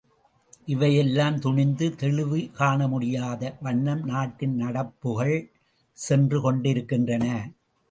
இவையெல்லாம் துணிந்து தெளிவு காணமுடியாத வண்ணம் நாட்டின் நடப்புகள் சென்று கொண்டிருக்கின்றன.